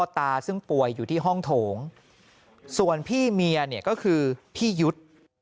ตาซึ่งป่วยอยู่ที่ห้องโถงส่วนพี่เมียเนี่ยก็คือพี่ยุทธ์